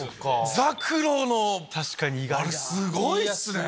ザクロのあれすごいっすね。